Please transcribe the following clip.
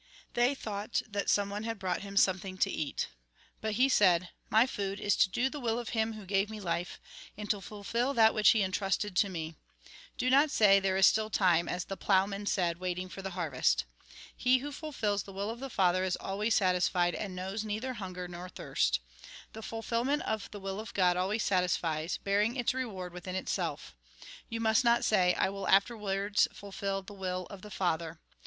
They thought that someone had brought him something to eat. But he said :" My food is to do the will of Him who gave me life, and to fulfil that which He entrusted to me. Do not say, ' There is still time,' as the ploughman said, waiting for the harvest. He who fulfils the will of the Father is always satisfied, and knows neither hunger nor thirst. The fulfilment of the will of God always satisfies, bearing its reward within itself. You must not say, ' I will after wards fulfil the will of the Father.'